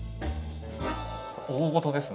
大ごとですね。